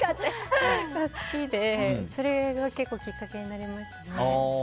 それが好きでそれが結構きっかけになりましたね。